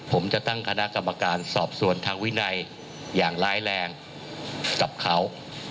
ผมจะตั้งคณะกรรมการสอบส่วนทางวินัยอย่างร้ายแรงกับเขา